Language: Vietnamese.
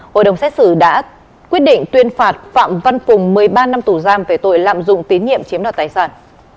hội đồng xét xử đã quyết định tuyên phạt phạm văn cùng một mươi ba năm tù giam về tội lạm dụng tín nhiệm chiếm đoạt tài sản